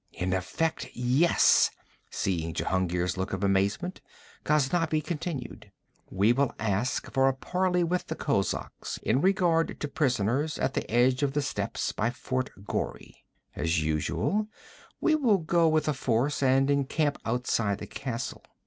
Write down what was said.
'In effect, yes!' Seeing Jehungir's look of amazement, Ghaznavi continued: 'We will ask for a parley with the kozaks in regard to prisoners, at the edge of the steppes by Fort Ghori. As usual, we will go with a force and encamp outside the castle.